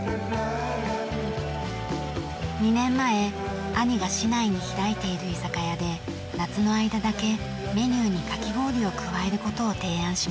２年前兄が市内に開いている居酒屋で夏の間だけメニューにかき氷を加える事を提案しました。